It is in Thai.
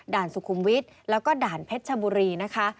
สุขุมวิทย์แล้วก็ด่านเพชรชบุรีนะคะ